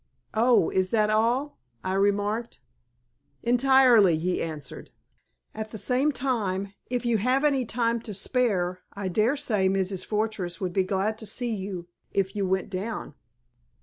"Oh, is that all?" I remarked. "Entirely," he answered. "At the same time, if you have any time to spare I daresay Mrs. Fortress would be glad to see you if you went down."